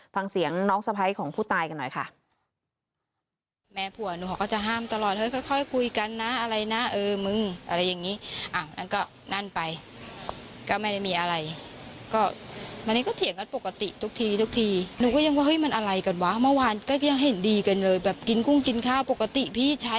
ฟังเสียงน้องสะพ้ายของผู้ตายกันหน่อยค่ะ